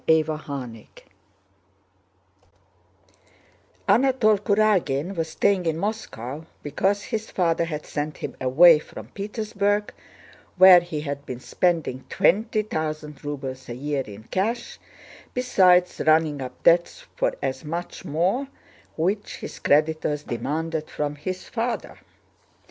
CHAPTER XI Anatole Kurágin was staying in Moscow because his father had sent him away from Petersburg, where he had been spending twenty thousand rubles a year in cash, besides running up debts for as much more, which his creditors demanded from his father.